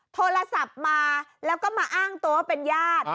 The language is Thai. โทรศัพท์มาแล้วก็มาอ้างตัวว่าเป็นญาติ